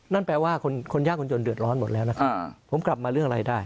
นั่นแปลว่าคนยากคนจนเดือดร้อนหมดแล้วนะครับผมกลับมาเรื่องอะไรได้